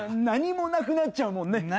何もなくなっちゃうもんね。